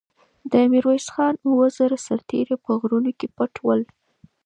د میرویس خان اوه زره سرتېري په غرونو کې پټ ول.